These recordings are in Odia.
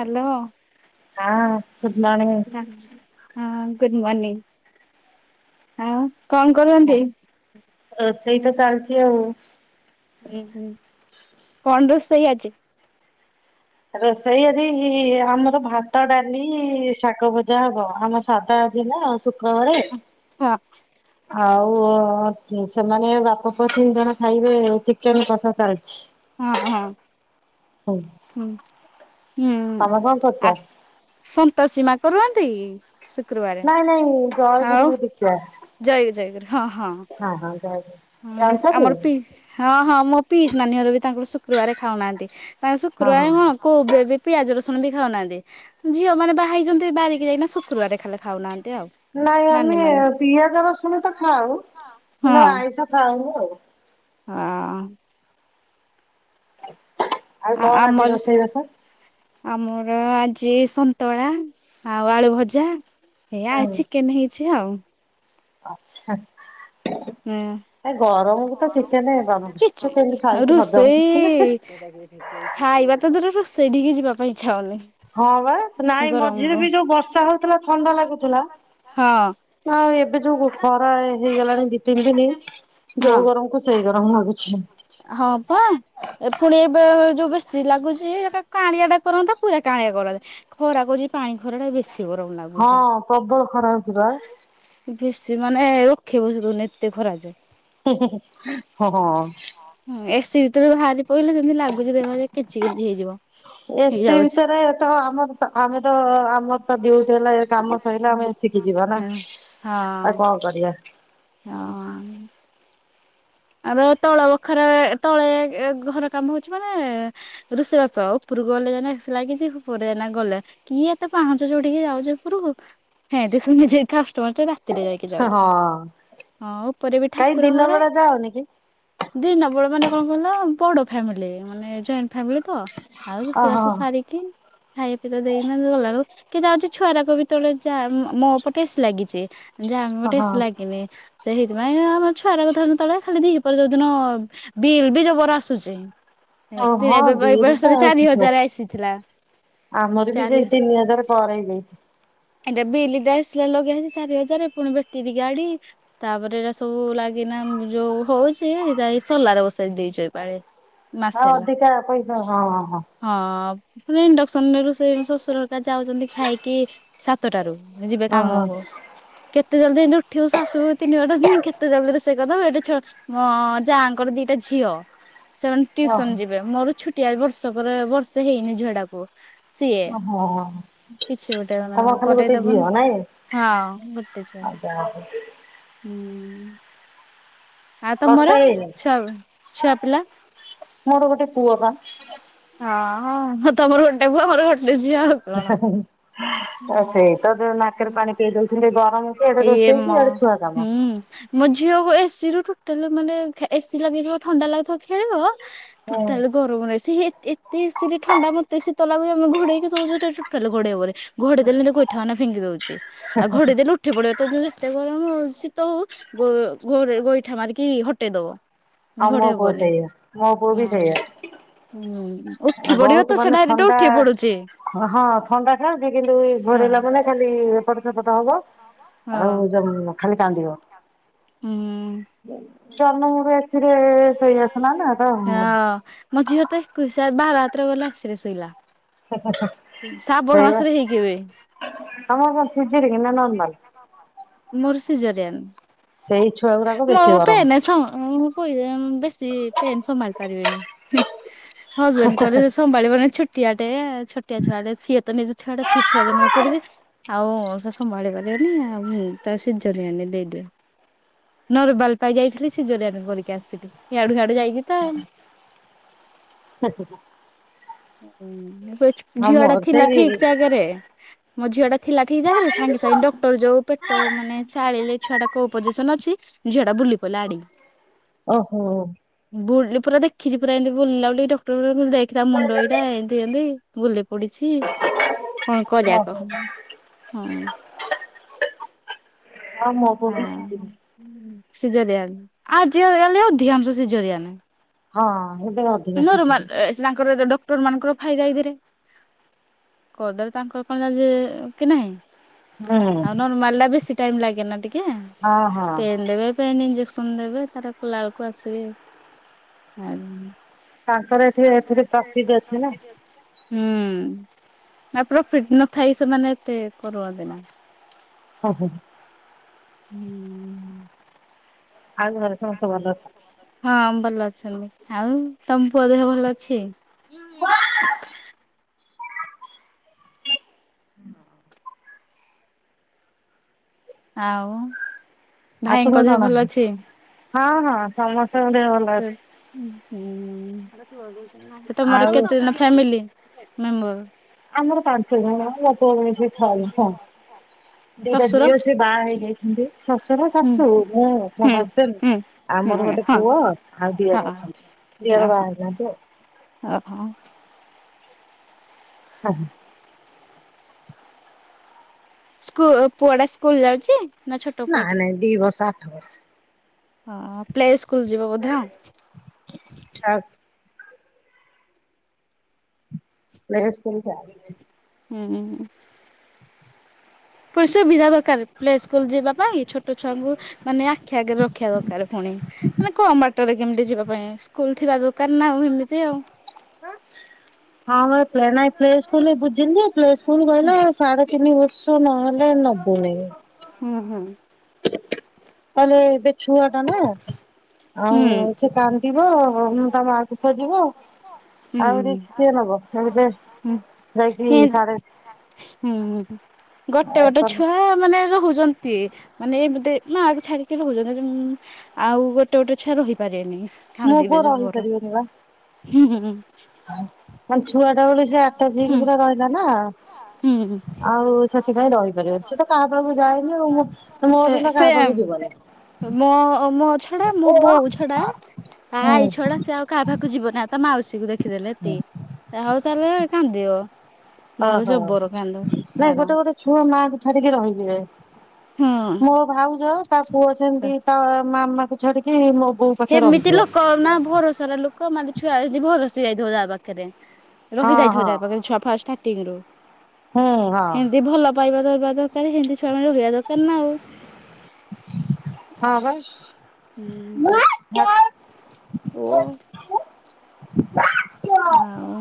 ହାଲୋ। ହୁଁ ଗୁଡ଼ ମର୍ନିଙ୍ଗ। ହାଁ ଗୁଡ଼ ମର୍ଣିଂ ହଁ କଣ କରନ୍ତି? ରୋଷେଇ ତ ଚାଲିଛି ଆଉ। ହୁଁ ହୁଁ କଣ ରୋଷେଇ ଆଜି? ରୋଷେଇ ଆଜି ଆମର ଭାତ ଡ଼ାଲି ଶାଗ ଭଜା ହବ ଆମର ସାଧା ଆଜି ନା। ଶୁକ୍ର ବେଳେ। ହଁ। ଆଉ ସେମାନେ ବାପ ପୁଅ ତିନି ଜଣ ଖାଇବେ ଚିକେନ୍ କସା ଚାଲିଛି। ହଁ ହଁ। ହୁଁ ହୁଁ ତମେ କଣ ଆ କରୁଛ? ସନ୍ତୋସି ମା କରନ୍ତି? ଶୁକ୍ରବାରେ ନାଇଁ ନାଇଁ ଜୟଗୁରୁ ଆଉ ଦୀକ୍ଷା ଜୟ ଜୟ ଗୁରୁ ହଁ ହଁ। ହଁ ହଁ ଜୟ ଗୁରୁ ହଁ ଆମର ପି ହଁ ହଁ ମୋ ପିସି ନାନୀ ଘର ବି ତାଙ୍କର ଶୁକ୍ରବାର ଖାଉନାହାନ୍ତି। ତାଙ୍କେ ହଁ ହଁ। ଶୁକ୍ରବାର କଣ କୋଉ ବେ ବି ପିଆଜ ରସୁଣ ବି ଖାଉନାହାନ୍ତି। ଝିଅ ମାନେ ବାହା ହେଇଛନ୍ତି [unintelligible] ଶୁକ୍ରବାରେ ଖାଲି ଖାଉ ନାହାନ୍ତି ଆଉ। ନାଇ ନାନୀ ଆମେ ମାନେ। ପିଆଜ ରସୁଣ ତ ଖାଉ ହଁ କିନ୍ତୁ ଆଇଁଷ ଖାଉନୁ ଆଉ। ହଁ ଆଉ କଣ ଆଜି ରୋଷେଇବାସ? [unintelligible] ଆମର ଆଜି ସନ୍ତୁଳା ଆଉ ଆଳୁ ଭଜା, ଏ ଆଜି ଚିକେନ୍ ହେଇଛି ଆଉ। ଆଛା ଏ ଗରମ, ଗରମ୍ ତ କିଛି ହଜମ କରୁଛନ୍ତି। ରୋଷେଇ, ଖାଇବା ତ ଦୂରର ସେଇଠି କି ଯିବା ପାଇଁ ଇଚ୍ଛା ହଉନି, ହଁ ବା ଏ ନାଇଁ ମୋଝିରେ ରେ ଗରମକୁ ବି ଯୋଉ ବର୍ଷା ହଉଥିଲା ଥଣ୍ଡା ଲାଗୁଥିଲା, ହଁ ହାଁ ଏବେ ଯୋଉ ଖରା ହେ ହେଇ ଗଲାଣି ଦୁଇ ତିନି ଦିନି ହଁ ଯୋଉ ଗରମକୁ, ସେଇ ଗରମ ଲାଗୁଛି, ହଁ ପା, ଏ ପୁଣି ଏବେ ଜୁ ବେଶି ଲାଗୁଛି ଏକା କାଣିଆ କରନ୍ତା ପୁରା କାଣିଆ ଖରାରେ, ଖରା କରୁଛି ଏ ପାଣି ଖରା ଟା ବେଶି, କି ଗରମ୍ ନାଉ, ହଁ ପ୍ରବଳ ଖରା ହେଉଛି ବାଏ, ବେଶି ମାନେ ରଖେଇ ବସେଇ ଦେଉନି ଏତେ ଖରା ଯେ, ହୁଁ-ହୁଁ-ହୁଁ ହଁ-ହଁ-ହଁ, ହୁଁ ଏସି ଭିତରୁ ବାହାରି ପଢ଼ିଲେ ଜେମିତି ଲାଗୁଛି ଦେହ ରେ କେଞ୍ଚୀ କେଞ୍ଚୀ ହେଇ ଯିବ, ଏସି ଭିତରେ ତ ଆମର ତ ଆମେ ତ ଆମର୍ ତୋ ଡିୟୁଟି ହେଲା କାମ ସରିଲା ଆମେ ଏସି ହଁ କି ଯିବା ନା ହଁ। ଆଉ କଁ କରିବା, ହଁ, ଆର ତଳ ବଖରା ରେ ତଳେ ଏ ଘର କାମ ହେଉଛି ମାନେ, ରୋଷେଇ ବାସ ଉପରକୁ ଗଲେ ଏଇନା ଏସି ଲାଗିଛି ଉପରେ ଏଇନା ଗଲେ, କିଏ ଏତେ ପାହାଞ୍ଚ ଚୋଡ଼ିକି ଯାଉଛି ଉପରକୁ [unintelligible] ରାତି ରେ ଯାଇକି ଯାଉଛୁ ହଁ। ହଁ ଉପରେ ବି ଠାକୁର ଘରେ, ହଁ [unintelligible] ଦିନ ବେଳେ ମାନେ କଣ କହିଲ ବଡ଼ ଫେମିଲି ମାନେ ଜଏଣ୍ଟ୍ ଫେମିଲି ତ, ଆଉ ରୋଷେଇ ଓହୋ ବାସ ସାରିକି ଖାଇବା ପିଇବା ଦେଇକି ନାହିନ୍ତି ଗଲା ବେଳକୁ, କି ଯାଉଛି ଛୁଆ ରାକୁ ବି ତଳେ ଯା ମୋ ମୋ ପଟେସି ଲାଗିଚି, ଯା ଓହୋ। ଗୋଟେସ୍ ଲାଗିନି ସେଇଥିପାଇଁ ଆମର ଛୁଆର କୁ ଧରୁ ତଳେ, ଖାଲି ବି ଏ ପର ଯୋଉଦିନ ବିଲ୍ ବି ଜବର ଆସୁଛି, ଓ ଏତେ ହଁ ଏବେ [unintelligible] ବିଲ୍ ଟା ବର୍ଷରେ ଚାରି ଠିକ ଅଛି ହଜାର୍ ଆସିଥିଲା ଚାରି ହଜାର୍, କରେଇ ଦେଇଛି, ଏଟା ବିଲଟା ଆସିଲା ଲଗାହେଇଛି ଚାରି ହଜାର୍ ପୁଣି ବେଟିରି ଗାଡି, ତାପରେ ଏଇଟା ସବୁ ଲାଗିନା ଯୋଉ ହଉଛି ଏଇଟା ସଲାରେ ବସେଇ ଦେଇଛୁ ପାଣି, ହଁ ଅଧିକା ପଇସା ହଁଁ-ହଁ-ହଁ, ହଁ ଇଣ୍ଡକ୍ସନ୍ ରେ ରୋଷେଇ ବାସଶଶୁର ତା ଯାଉଛନ୍ତି ଖାଇକି, ସାତଟାରୁ ସିଏ ଯିବେ କାମକୁ, କେତେ ଜଲଦି ଏ ଉଠିବୁ ଶାଶୁ [unintelligible] କେତେ ଜଲ୍ ଦି ରୋଷେଇ କରିଦବ ଏଡେ ଛଟ୍-ଛଟ୍ ମୁଁ ଅଁ ଯାହାଙ୍କର ଦିଟା ଝିଅ, ସେମାନେ ଓହୋ ଟିଉସନ୍ ଯିବେ ମୋର ଛୁଟି ଏ ବର୍ଷ କରେ ବର୍ଷେ ହେଇନି ଝିଆଟାକୁ, ସେଇଆ ଓହୋ। ଓହୋ କିଛି ଗୋଟେ କ ତମର ଆଉ ଖାଲି ଗୋଟେ କରରେଇଦବନି ଝିଅ ନାଇଁ ହଁ ଗୋଟେ ଝିଅ ଆଉ ଯାହା ହଉ ହୁଁ, ଆଉ ବର୍ଷ ତମର ହେଇନି। ଛୁଆ-ଛୁଆ ପିଲା? ମୋର ଗୋଟେ ପୁଅ ବା, ହଁ ଅଁ ତମର ଗୋଟେ ପୁଅ ମୋର ଗୋଟେ ଝିଅ ଆଉ, କଣ। [unintelligible] ସେ, ତା ଧିରେ ନାକରେ ପାଣି ପିଏଇ ଦଉଚନ୍ତି ଗରମକୁ ଇଆଡେ ଇଏ ମ ରୋଷେଇକି ଏଆଡେ ଛୁଆ କାମ। ହୁଁ। ମୋ ଝିଅକୁ ଏ ସି ରୁ ଟୋଟାଲ୍ ମାନେ ଏ ସି ଲାଗିଥିବ ଥଣ୍ଡା ଲାଗିଥିବ ଖେଳିବ ହୁଁ ଟୁଟାଲେ ଗର୍ ଲୁଭଲାଇ ସିଏ ଏ ଏତେ ଏ ସିରେ ଥଣ୍ଡା ମତେ ଶୀତ ଲାଗୁଚି ଆମେ ଘୋଡେଇ କି ଶୋଉଚୁ ସେ ଟୋଟାଲ ଘୋଡେଇବ ନାଇଁ। ଘୋଡେଇ ଦେଲେ ଗୋଇଠା ମାରିକୀନା ଫିଙ୍ଗି ଦଉଚି ଆଉ ଘଡେଇ ଦେଲେ ଉଠ ଉଠି ପଡିବ ତାକୁ ଯେତେ ଗରମ ହଉ ଶୀତ ହଉ ଗୋ ଘୋରେ ଗୋଇଠା ମାରିକି ହଟେଇ ଦବ। ଆଉ ମୋ ଘୋଡେଇ ପୁଅ ହବନି ସେଇଆ ମୋ ପୁଅ ବି ସେଇଆ ହୁଁ। ହୁଁ ଉଠି ପଡିବ ବହୁତ ତ ସେ ମାନେ ଡାଇରେକଟ୍ ଥଣ୍ଡା ଉଠି ପଡୁଚି। ହଁ ହ ଥଣ୍ଡା ଥାଉଚି କିନ୍ତୁ ଘୋରଇଲା ମାନେ ଖାଲି ଏପଟ ସେପଟ ହବ ଆଉ ହଁ ଜମ୍ ଖାଲି କାନ୍ଦିବ। ହୁଁ। ଜନମରୁ ଏ ସିରେ ଶୋଇଆସନା ତ ହଁ ମୋ ଝିଅ ତ ଏକୋଇଶ ବାର୍ ରାତିରେ ଗଲା ଏ ସିରେ ଶୁଇଲା। ସେଇ ବା। ହେଇକି ଏବେ ତମର କଣ ଶିଜିରିଙ୍ଗ ନା ନର୍ ମାଲ୍? ନର୍ମାଲ ଥିଲା। ମୋର୍ ସିଜରିଆନ୍। ସେଇ ଛୁଆ ଗୁଡାକ ବେଶୀ ମୁଁ ଗରମ ପେନେ ସ [unintelligible] ବେଶୀ ପେନ୍ ସମ୍ଭଳିି ପାରିବିନି। ହଁ ହଜବେଣ୍ଡ କହିଲେ ସେ ସମ୍ଭାଳିବନି ଛୂ ଟିଆ ଟେ ଛୋଟିଆ ଛୁଆଟେ ସିଏ ତ ନିଜେ ଛୁଆଟା ସିଏ ଛୁଆ ଯନମ କରୁଚି। ଆଉ ସେ ସମ୍ଭାଳି ପାରିବନି ଆଉ ସେ ତାକୁ ସିଝରିଆନରେ ଦେଇଦିଅ। ନରବାଲ୍ ପାଇ ଯାଇଥିଲି ସିଜରିଆନ୍ କରିକି ଆସିଥିଲି ୟାଡୁ ହିଆଡୁ ଯାଇକି ତ ଆଉ। [unintelligible] ହୁଁ ଶୋଇଚ୍ ଆଉ ଝିଅ ଟା ମୋର ଥିଲା ସେଇ ଠିକ୍ ଜାଗାରେ। ମୋ ଝିଅ ଟା ଥିଲା ଠିକ୍ ଜାଗାରେ। ସାଙ୍ଗେ ଓହୋ ସାଙ୍ଗେ ଡକ୍ଟର ଯଉଁ ପେଟ ମାନେ ଚାଳିଲେ ଛୁଆଟା କୋଉ ପୋଜି ସନ ଅଛି ଝିଅ ଟା ବୁଲି ପଡିଲା ଆଡିକି। ଓହୋ। ବୁଲି ପୁରା ଦେଖିଚି ପୁରା ଏମିତି ବୁଲିଲା ବୋଲି ଡକ୍ଟର ଦେଖଥିଲା ମୁଣ୍ଡ ଏଇଟା ଏମିତି ଏମ୍ ତି। ବୁଲି ପଡିଚି। [inaudible] କଣ କରିବା କହ ହଁ? ହଁ ମୋ ପୁଅ ବି ହଁ ସିଜରିଆନ। ସିଜରିଆନ ଆଜିକାଲି ଅଧିକାଂଶ ସିଜରିଆନ। ହଁ ଏବେ ଅ ନରମାଲ୍ ତାଙ୍କର ଗୋଟେ ଡ ଟର ମାନଙ୍କର ଫାଇଦା ଏଇଥିରେ। କରିଦେଲେ ତାଙ୍କର କଣ ଯାଏ ଯେ ନାହିଁ। ହୁଁ। ନରମାଲ ଟା ବେଶୀ ଟାଇମ ଲାଗେ ନା ଟିକେ ହଁ ହଁ ପେନ୍ ଦେବେ ପେନ୍ ଇଞ୍ଜେକ୍ସନ ଦେବେ ତାର କଲାବେଳକୁ ଆସିବେ ଆ ତାଙ୍କର ଏ ତାଙ୍କର ଏତେ ଏଥିରେ ପ୍ରଫିଟ ଅଛି ନା। ହୁଁ ଆଉ ପ୍ରଫିଟ ନଥାଇ ସେମାନେ ଏତେ କରନ୍ତି ନା? ହବ। ହୁଁ। ଆଉ ଘରେ ସମସ୍ତେ ଭଲ ଅଛନ୍ତି? ହଁ ଭଲ ଅଛନ୍ତି, ଆଉ ତମ ପୁଅ ଦେହ ଭଲ ଅଛି? ଆଉ ଆ ତୁମ ଭାଇଙ୍କ ଦେହ କଣ ଭଲ ଅଛି। ହଁ ହଁ ସମସ୍ତଙ୍କ ଦେହ ଭଲ ଅଛି। ଉଁ ତମର ଆଉ କେତେ ଜଣ ଫାମିଲି ମେମ୍ବର? ଆମର ପାଞ୍ଚ ଜଣ ନାତିଆକୁ ମିଶେଇକି ଛଅ ଜଣ ଦିଟା ଶ୍ୱଶୁର ଝିଅ ସେ ବାହା ହେଇଯାଇଛନ୍ତି। ଶଶୁର, ହୁଁ ଶାଶୁ ମୁଁ ମୋ ହୁଁ ହୁଁ ହଜବେଣ୍ଡ ଆମର ହଁ ଗୋଟେ ହଁ। ପୁଅ ଆଉ ଦିଅର ଅଛନ୍ତି। ଦିଅର ବାହା ଓହୋ ହେଇନାହାନ୍ତି ଆଉ। ଓହୋ। [unintelligible] ସ୍କୁ ପୁଅଟା ସ୍କୁଲ ଯାଉଚି ନା ଛୋଟ ନାଇଁ ପୁଅଟେ? ନାଇଁ ଦି ବର୍ଷ ଆଠ ବର୍ଷ ହଁ ପ୍ଲେ ସ୍କୁଲ ଯିବ ବୋଧେ ଆଉ। ଆକ ପ୍ଲେ ସ୍କୁଲ ଯାଇନି। ହୁଁଁ ଉଁ। ପୁଣି ସୁବିଧା ଦରକାର ପ୍ଲେ ସ୍କୁଲ ଯିବା ପାଇଁ ଛୋଟ ଛୁଆଙ୍କୁ ମାନେ ଆଖି ଆଗରେ ରଖିବା ଦରକାରେ ପୁଣି। ମାନେ କମ ବାଟରେ କେମିତି ଯିବା ପାଇଁ ସ୍କୁଲ ଥିବା ଦରକାର ନା ଆଉ ହେମିତି ଆଉ। ହଁ ବା ପ୍ଲେ ନାଇଁ ପ୍ଲେ ସ୍କୁଲରେ ବୁଝିଲି ଯେ ପ୍ଲେ ସ୍କୁଲ କହିଲା ହୁଁ ସାଢ଼େ ତିନି ବର୍ଷ ନହେଲେ ନବନେଇ। ହୁଁ ହୁଁ। କହିଲେ ଏବେ ଛୁଆଟା ନା। ଆଉ ହୁଁ ସେ କାନ୍ଦିବ ତା ମାକୁ ଖୋଜିବ। ହୁଁ ଆଉ ହୁଁ। ରିକ୍ସ କିଏ ନବ [unintelligible] ଯାଇକି ସାଢ଼େ ହୁଁ ଉ ଗୋଟେ ଗୋଟେ ଛୁଆ ମାନେ ରହୁଚନ୍ତି ମାନେ ଏମିତି ମାକୁ ଛାଡ଼ିକି ରହୁଚ ଆଉ ଗୋଟେ ଗୋଟେ ଛୁଆ ରହିପାରିବେନି ମୋ ପୁଅ କାନ୍ଦିବେ ଯବର। ରହିପାରିବନି ବା ହୁଁ। ମାନେ ଛୁଆଟା ବେଳୁ ସେ ଆଟଜ ହେଇକି ପୁରା ରହିଲା ନା। ହୁଁ ହୁଁ ହୁଁ। ଆଉ ସେଥିପାଇଁ ରହିପାରିବ ସେ ତ କାହା ପାଖକୁ ଯାଏନି ଆଉ ମୁଁ ମୋ ବିନା କାହା ସେ ପାଖକୁ ଯିବନି। ମୋ ମୋ ଛଡ଼ା ମୋ ହୁଁ ବୋଉ ଛଡ଼ା ତା ଆଇ ଛଡ଼ା ସେ ଆଉ କାହା ପାଖ କୁ ଯିବନା ତା ମାଉସୀକୁ ଦେଖିଦେଲେ ଏତି ଆଉ ତାହେଲେ କାନ୍ଦିବ। ନହେଲେ ଓହୋ ଜବର କାନ୍ଦ ନାଇଁ ତାର ଗୋଟେ ଗୋଟେ ଛୁଅ ମାକୁ ଛାଡ଼ିକି ରହିଯିବେ। ହଁ। ମୋ ଭାଉଜ ତା ପୁଅ ସେମିତି ତା ମାମା କୁ ଛାଡ଼ିକି ମୋ ବୋଉ ପାଖରେ ହେମିତି ରହିଯିବ। ଲୋକ ନା ଭରସାର ଲୋକ ମାନେ ଛୁଆ ଯଦି ଭରସି ଯାଇଥିବ ଯା ପାଖରେ। ହଁ ରହିଯାଇଥିବ ହଁ ଯା ପାଖେ ଛୁଆ ଫା ଷ୍ଟାର୍ଟିଂ ରୁ। ହୁଁ ହଁ ହେମିତି ଭଲ ପାଇବା ଦବା ଦରକାର ହେମିତି ଛୁଆ ମାନେ ରହିବା ଦରକାର ନା ଆଉ। ହଁ ବା। ହୁଁ ଓ। ଆଉ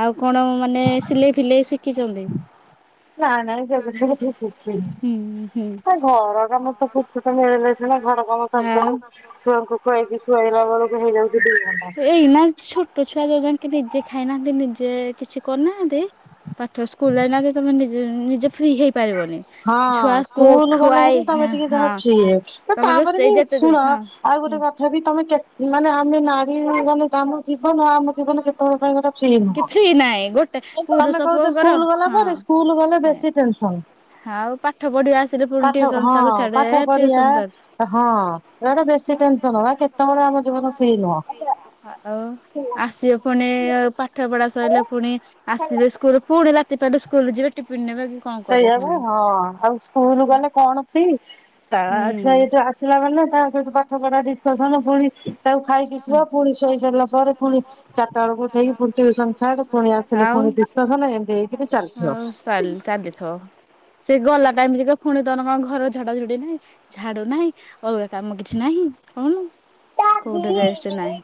ଆଉ କଣ ମାନେ ସିଲେଇ ଫିଲେଇ ଶିଖିଚନ୍ତି? ନାଇଁ ନାଇଁ ସେଗୁଡା ହୁଁ କିଛି ଶିଖିନି। ହୁଁ। ଆଉ ଘର କାମ ତ ଏଇନା ଫୁର୍ସତ ମିଳିଲେ ଛୁ ସିନା ଘର କାମ ସାରୁ ଟ ସାରୁ ଛୁଆ ଛୁଆଙ୍କୁ ଖୁଆଇକି ଶୁଆଇଲା ଯୋଉ ବେଳକୁ ହେଇଯାଉଛି ଦି ଜାଙ୍କେ ଘଣ୍ଟା। ନିଜେ ଖାଇନାହାନ୍ତି ନିଜେ କିଛି କରିନାହାନ୍ତି ପାଠ ସ୍କୁଲ ଯାଇନାହାନ୍ତି ତମେ ନିଜେ ନିଜେ ଫ୍ରି ହେଇ ପାରିବନି। ହଁ ସ୍କୁଲ ଗଲେ ହେରି ତମେ ଟିକେ ଯାହା ହଁ ଫ୍ରି ତମେ ତାପରେ ରୋଷେଇ ବି ଯେତେ ହଁ ଶୁଣ ଆଉ ହୁଁ ଗୋଟେ କଥା ବି ତମେ କେତ ମାନେ ଆମେ ନାରୀ ମାନେ କାହାକୁ। ଜୀବନ ଆମ ଜୀବନ କେତେବେଳ ପାଇଁ ଗୋଟା ଫ୍ରି କି ନୁହଁ। ନାହିଁ ଗୋଟେ ପୁରୁଷ ତମେ କହୁଛ ପୁଅଙ୍କର ସ୍କୁଲ ଗଲା ପରେ। ସ୍କୁଲ ଗଲେ ବେଶୀ ଟେନସନ୍। ହାଁଉ ପା ପାଠ ହଁ ପାଠ ପଢିଆ ଟିଉସନ ତାକୁ ହଁ ବେଶୀ ଟେନସନ୍ ବା କେତେ କେତେବେଳେ ଆମ ଜୀବନ ଫ୍ରି ନୁହଁ। ଆଉ ଆସିବେ ପୁଣି, ପାଠପଢା ସରିଲେ ପୁଣି। ଆସିବେ ସ୍କୁଲରୁ, ପୁଣି ରାତି ପାହିଲେ ସ୍କୁଲରୁ ଯିବେ, ଟିଫିିନ୍ ନେବେ। କଣ କରିବେ ସେଇଆ ବା ପୁଣି। ହଁ ଆଉ ସ୍କୁଲ ଗଲେ କଣ ଫ୍ରି ତା ହୁଁ। ସେଇଟା ଆସିଲା ମାନେ ତା ସହିତ ପାଠପଢା ଡିସକସନ୍ ପୁଣି। ତାକୁ ଖାଇକି ଆଉ ଶୁଅ ପୁଣି ଶୋଇ ସାରିଲା ପରେ ପୁଣି ଚାରିଟା ବେଳକୁ ଉଠେଇକି ପୁଣି ଟ୍ୟୁସନ୍ ଛାଡ଼ ପୁଣି ଆସିଲେ ପୁଣି ପ୍ରଥମେ ଏମିତି ହେଇକି ବି ଚାଲିଥିବ। ଚା ଚାଲିଥିବ, ସେ ଗଲା ଟାଇମ୍ ପୁଣି ତମର କଣ ଘର ଝଡା ଝଡି ନାହିଁ। ଝାଡୁ ନାହିଁ, ଅଲଗା କାମ କିଛି ନାହିଁ, କହୁନୁ? କୋଉଠି ରେଷ୍ଟ୍ ନାହିଁ।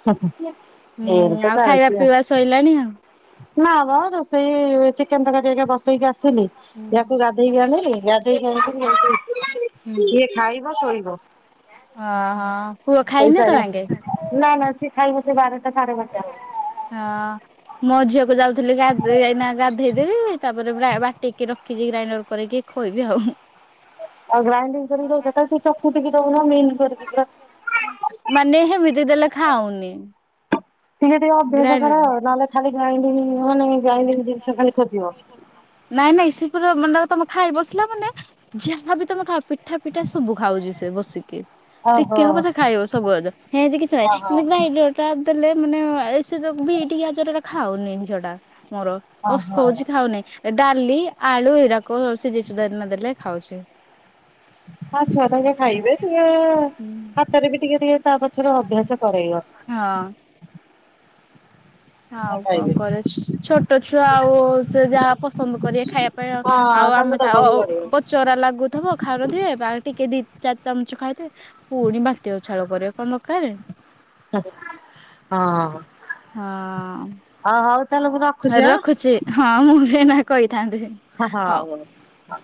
ହବ ହୁଁ ଆଉ ଖାଇବା ପିଇବା ଶଇଲାଣି ଆଉ। ନା ବା ରୋଷେଇ ଚିକେନ ତରକାରୀ ବସେଇକି ଆସି ଆସିଲି ହୁଁ। ୟାକୁ ଗାଧେଇକି ଆଣିଲି ଗାଧେଇକି ଆଣି କରି, ଇଏ ଖାଇବ ଶୋଇବ। ଓହୋ ପୁଅ ଖାଇନି ଏତେ ବେଳ ଶୋଇସାରିଲା ଯାଙ୍କେ। ନା ନା ସିଏ ଖାଇବ ସେ ବାରଟା ସାଢେ ବାରଟା ବେଳେ। ହଁ ମୋ ଝିଅକୁ ଯାଉଥିଲି ଗାଧେ ଏଇନା ଗାଧେଇ। ଗାଧେଇ ତାପରେ ବ୍ରା ବାଟିକି ରଖିଛି ଗ୍ରାଇଣ୍ଡର କରିକି ଖୋଇବି ଆଉ। ଆଉ ଗ୍ରାଇଣ୍ଡିଙ୍ଗ୍ କରିକି ଦଉଛ, କାଇଁ ଟିକେ ଚକୁଟିକି ଦଉନ ମିନ୍ କରି କି ପୁରା। ମାନେ ହେମିତି ଦେଲେ ଖାଉନି। ଟିକେ ଟିକେ ଅଭ୍ୟାସ କର ଗ୍ରାଇଣ୍ଡରରେ ନହେଲେ ଖାଲି ଗ୍ରାଇଣ୍ଡିଙ୍ଗ୍ ମାନେ ଗ୍ରାଇଣ୍ଡିଙ୍ଗ୍। ଗ୍ରାଇଣ୍ଡିଙ୍ଗ୍ ଜିନିଷ ଖାଲି ଖାଉଥା। ନାଇଁ ନାଇଁ ସେ ପୁରା ମାନେ ତମେ ଖାଇ ବସିଲା ମାନେ ଯାହା ଭାବି ତମେ ଖାଅ। ପିଠା ପିଠା ସବୁ ଖାଉଛି ସେ ବସିକି। ଓହୋ ଟିକେ ହବ ସେ ଖାଇବ ସବୁଆଡେ ହେମତି କିଛି ନାହିଁ ଓହୋ କିନ୍ତୁ ଗ୍ରାଇଣ୍ଡର୍। ଟା ଦେଲେ ମାନେ ଏ ସେ ଯୋଉ ବିଟ୍ ଗାଜରର ଖାଉନି ଝିଅ ଟା ମୋର। ଓହୋ ଓସ୍କୋଉଛି ଖାଉନାହିଁ। ଡାଲି, ଆଳୁ ଏଇଟା। କଣ ସେ ଜିଷୁ ଦାନା ଦେଲେ ଖାଉଛି। ହଁ ଛୁଆ ତ ଏଗୁଡା ଖାଇବେ ଟିକେ, ହାତରେ ବି ଟିକେ ଟିକେ ତା ପଛରେ ଅଭ୍ୟାସ କରେଇବ। ହଁ ଆଉ କଣ ଖାଇବେ କରେଜ୍। ଛୋଟ ଛୁଆ ଆଉ ସେ ଯାହା ପସନ୍ଦ କରିବେ ଖାଇବା ପାଇଁ ହଁ ଆଉ ଆମେ ତାଙ୍କୁ ତା ଦବାକୁ ପଡିବ। ଚରା ଲାଗୁଥିବ ଖାଉନଥିବେ ବା ଟିକେ ଦି ଚାରି ଚାମଚ ଖାଇଥିବେ। ପୁଣି ବାନ୍ତି ଉଛାଳ କରିବା କଣ ଦରକାର। ହଁ ହଁ। ଅ ହଉ। ତାହେଲେ ମୁଁ ଆଁ ରଖୁଛି ହଁ ମୁଁ ବି ଏଇନା କହିଥାନ୍ତି। ହଁ ହଁ ହଉ। ହୁ ହଉ।